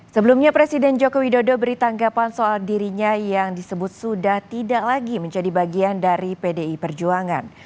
sebelumnya presiden joko widodo beri tanggapan soal dirinya yang disebut sudah tidak lagi menjadi bagian dari pdi perjuangan